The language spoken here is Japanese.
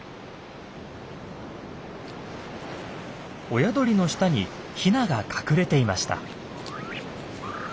親鳥の下にヒナが隠れていました。